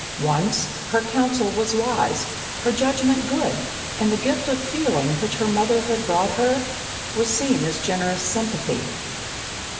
Once, her counsel was wise, her judgment good, and the gift of feeling which her motherhood brought her was seen as generous sympathy.